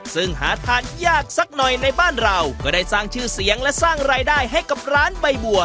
ซึ่งหาทานยากสักหน่อยในบ้านเราก็ได้สร้างชื่อเสียงและสร้างรายได้ให้กับร้านใบบัว